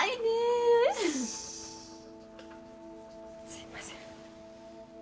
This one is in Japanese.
すいません。